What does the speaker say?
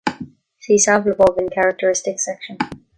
See sample above in Characteristics Section.